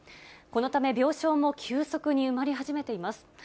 このため、病床も急速に埋まり始めています。